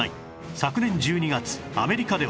昨年１２月アメリカでは